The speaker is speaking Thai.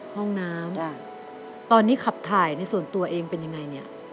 ห้องน้ำตอนนี้ขับถ่ายในส่วนตัวเองเป็นยังไงเนี่ย